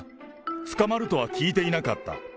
捕まるとは聞いていなかった。